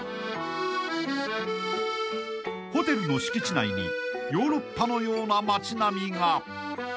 ［ホテルの敷地内にヨーロッパのような街並みが］